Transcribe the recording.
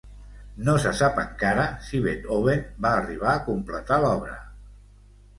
No se sap encara si Beethoven va arribar a completar l'obra.